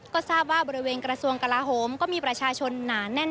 ก็ทราบว่าบริเวณกระทรวงกลาโหมก็มีประชาชนหนาแน่น